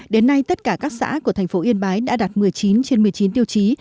đến nay tất cả các xã của thành phố yên bái đã đạt một mươi chín trên một mươi chín tiêu chí